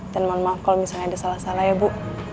dan mohon maaf kalau misalnya ada salah salah ya bu